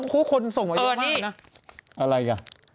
คนส่งมาเยอะมากนะเออนี่อะไรกัน